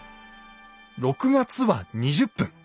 ６月は２０分。